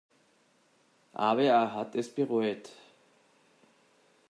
Aber er hat es bereut.